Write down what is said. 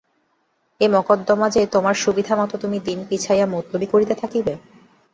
একি মকদ্দমা যে, তোমার সুবিধামত তুমি দিন পিছাইয়া মুলতুবি করিতে থাকিবে?